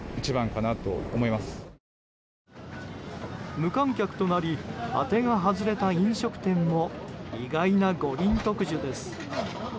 無観客となり当てが外れた飲食店も意外な五輪特需です。